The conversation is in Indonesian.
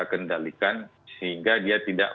kendalikan sehingga dia tidak